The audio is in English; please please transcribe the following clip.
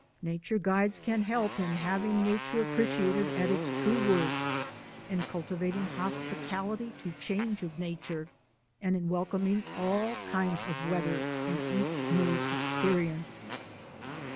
Nature guides can help in hav ing nature appreciated at its true worth, in cul tivating hospitality to changes of nature, and in welcoming all kinds of weather and each new experience.